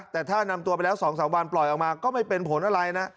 แต่ถ้านำตัวไปแล้ว๒๓วันปล่อยออกมาก็ไม่เป็นผลอะไรนะ